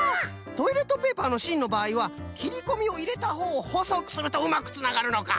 トイレットペーパーのしんのばあいはきりこみをいれたほうをほそくするとうまくつながるのか。